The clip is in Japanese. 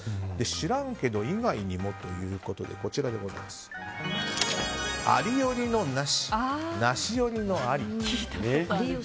知らんけど以外にもということでありよりのなし、なしよりのあり。